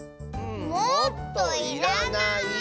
もっといらない。